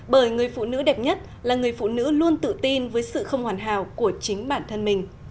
bởi người phụ nữ đẹp nhất là người phụ nữ luôn tự tin với sự không hoàn hảo của chính bản thân mình